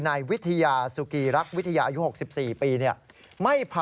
นายวิทยาสุกีรักวิทยาอายุ๖๔ปี